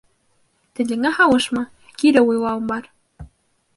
— Телеңә һалышма, кире уйлауым бар.